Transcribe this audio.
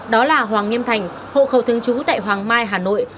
đó là hoàng nghiêm thành hộ khẩu thương chú tại hoàng mai hà nội